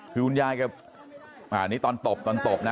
คุณยายแบบตอนตบตอนตบนะ